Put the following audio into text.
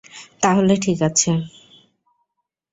তাহলে ঠিক আছে!